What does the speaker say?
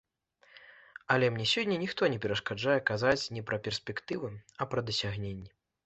Але мне сёння ніхто не перашкаджае казаць не пра перспектывы, а пра дасягненні.